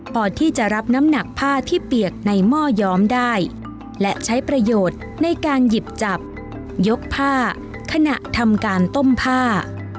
พอที่จะรับน้ำหนักผ้าที่เปียกในหม้อย้อมได้และใช้ประโยชน์ในการหยิบจับยกผ้าขณะทำการต้มผ้า